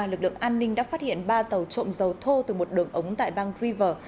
lực lượng an ninh đã phát hiện ba tàu trộm dầu thô từ một đường ống tại bang river